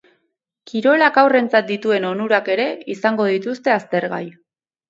Kirolak haurrentzat dituen onurak ere izango dituzte aztergai.